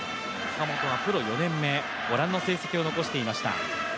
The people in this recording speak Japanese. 岡本はプロ４年目、ご覧の成績を残していました。